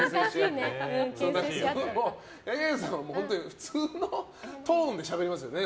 柳原さんは普通のトーンでしゃべりますよね。